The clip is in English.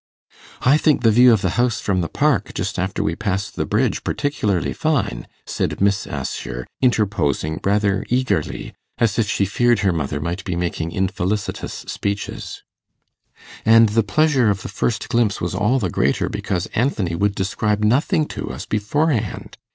'I think the view of the house from the park, just after we passed the bridge, particularly fine,' said Miss Assher, interposing rather eagerly, as if she feared her mother might be making infelicitous speeches, 'and the pleasure of the first glimpse was all the greater because Anthony would describe nothing to us beforehand.